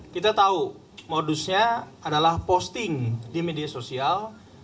kita tahu modusnya adalah posting di media sosial